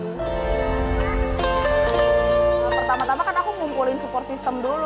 pertama tama kan aku ngumpulin support system dulu